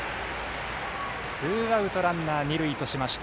ツーアウトランナー、二塁としました。